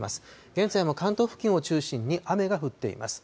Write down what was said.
現在も関東付近を中心に雨が降っています。